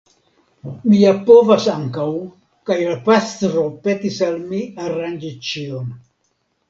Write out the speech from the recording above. Mi ja povas ankaŭ, kaj la pastro petis al mi aranĝi ĉion.